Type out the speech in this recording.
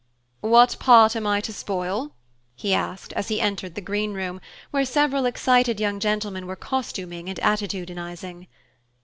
"What part am I to spoil?" he asked, as he entered the green room, where several excited young gentlemen were costuming and attitudinizing.